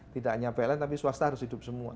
tidak hanya pln tapi swasta harus hidup semua